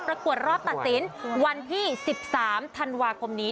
กวดรอบตัดสินวันที่๑๓ธันวาคมนี้